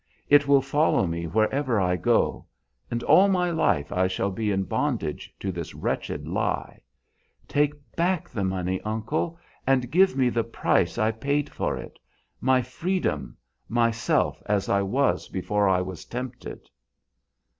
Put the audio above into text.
"It will follow me wherever I go, and all my life I shall be in bondage to this wretched lie. Take back the money, uncle, and give me the price I paid for it, my freedom, myself as I was before I was tempted!"